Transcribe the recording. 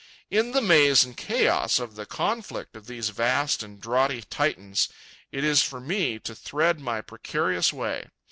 In the maze and chaos of the conflict of these vast and draughty Titans, it is for me to thread my precarious way.